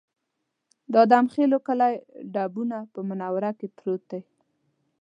د ادم خېلو کلی ډبونه په منوره کې پروت دی